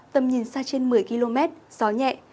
tầm nhìn xa trên một mươi km gió nhẹ